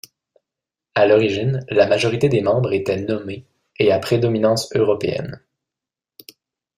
À l'origine, la majorité des membres était nommée, et à prédominance européenne.